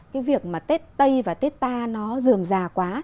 cái việc mà tết tây và tết ta nó dườm già quá